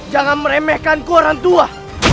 jangan meremehkan ku orangtua